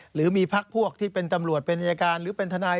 หรือมีพักพวกที่เป็นตำรวจเป็นอายการหรือเป็นทนาย